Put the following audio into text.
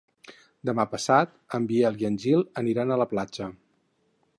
Demà passat en Biel i en Gil aniran a la platja.